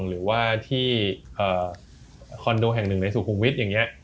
หรือว่าที่คอนโดแห่งหนึ่งในสู่โควิดอย่างเงี้ย